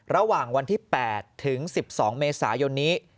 ระหว่างวันที่๘ถึง๑๒เมษายนนี้